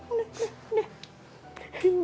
udah udah udah